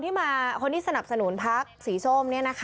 คือคนที่สนับสนุนภักดิ์สีส้ม